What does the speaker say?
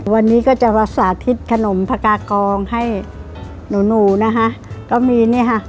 วันนี้ก็จะมาสาธิตขนมพระกากองให้หนูหนูนะคะก็มีนี่ค่ะ